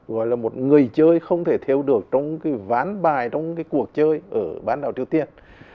gọi là một người chơi không thể theo được trong cái ván bài trong cái cuộc chơi ở bán đảo triều tiên